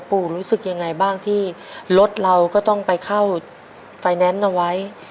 รู้สึกยังไงบ้างที่รถเราก็ต้องไปเข้าไฟแนนซ์เอาไว้